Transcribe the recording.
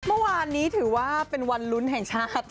เมื่อวานนี้ถือว่าเป็นวันลุ้นแห่งชาติ